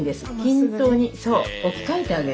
均等に置き換えてあげる。